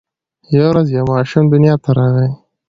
یوه ورځ یو ماشوم دنیا ته راغی.